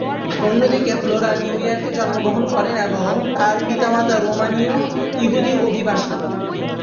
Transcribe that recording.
অন্যদিকে Flora New ইয়র্কে জন্মগ্রহণ করেন এবং তার পিতামাতা রোমানীয় ইহুদি অভিবাসী।